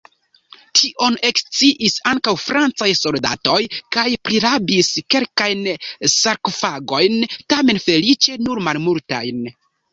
Tion eksciis ankaŭ francaj soldatoj kaj prirabis kelkajn sarkofagojn, tamen feliĉe nur malmultajn.